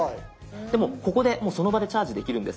もうここでこの場でチャージできるんです。